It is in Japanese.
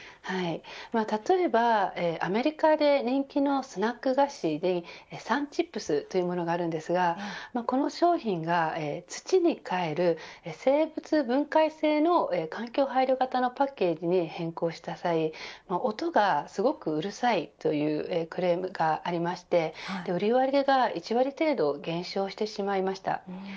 例えば、アメリカで人気のスナック菓子にＳｕｎＣｈｉｐｓというものがあるんですがこの商品が土に返る生物分解性の環境配慮型のパッケージに変更した際音がすごくうるさいというクレームがありまして売り上げが１割程度減少してしまいました。